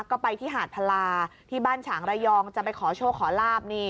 ก็ไปที่หาดพลาที่บ้านฉางระยองจะไปขอโชคขอลาบนี่